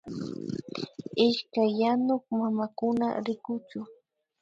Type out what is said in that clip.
Ishkay yanuk mamakuna rikuchu